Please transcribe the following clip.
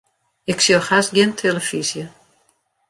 Ik sjoch hast gjin telefyzje.